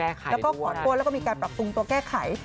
แล้วก็ขอโทษแล้วก็มีการปรับปรุงตัวแก้ไข